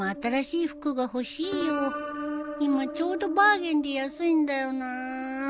今ちょうどバーゲンで安いんだよなあ